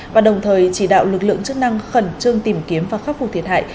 và đồng thời chỉ đạo lực lượng chức năng khẩn trương tìm kiếm và khắc phục thiệt hại